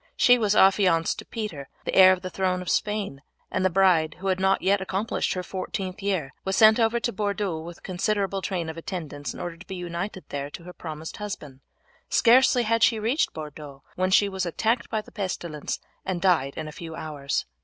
She was affianced to Peter, the heir to the throne of Spain; and the bride, who had not yet accomplished her fourteenth year, was sent over to Bordeaux with considerable train of attendants in order to be united there to her promised husband. Scarcely had she reached Bordeaux when she was attacked by the pestilence and died in a few hours.